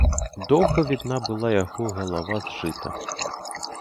Доўга відна была яго галава з жыта.